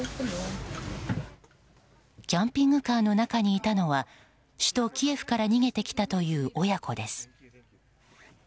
キャンピングカーの中にいたのは首都キエフから逃げてきたという親子です。